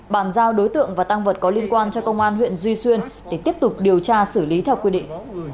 bàn giao đối tượng và tăng vật có liên quan cho công an huyện duy xuyên để tiếp tục điều tra xử lý theo quy định